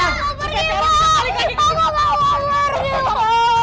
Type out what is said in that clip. aku gak mau lagi ma